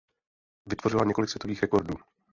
Vytvořila několik světových rekordů.